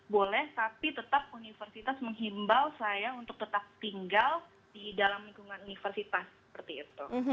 boleh tapi tetap universitas menghimbau saya untuk tetap tinggal di dalam lingkungan universitas seperti itu